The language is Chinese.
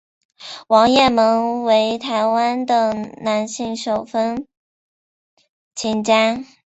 王雁盟为台湾的男性手风琴家。